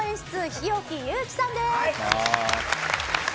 日置祐貴さんです。